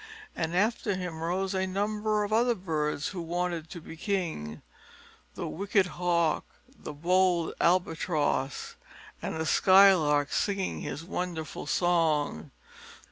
And after him rose a number of other birds who wanted to be king, the wicked Hawk, the bold Albatross, and the Skylark singing his wonderful song.